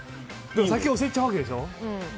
先に教えちゃうわけでしょ。